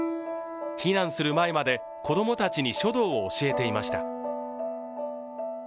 避難する前まで子供たちに書道を教えていました。